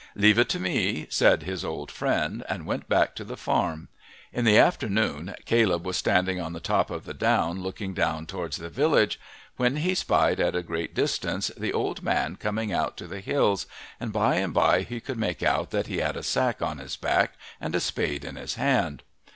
"Leave it to me," said his old friend, and went back to the farm. In the afternoon Caleb was standing on the top of the down looking towards the village, when he spied at a great distance the old man coming out to the hills, and by and by he could make out that he had a sack on his back and a spade in his hand.